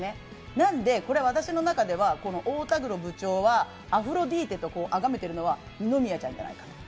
なので、これ、私の中では太田黒部長はアフロディーテとあがめているのは二宮ちゃんじゃないかって。